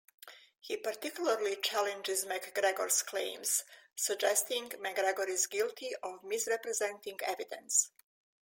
He particularly challenges MacGregor's claims, suggesting MacGregor is guilty of misrepresenting evidence.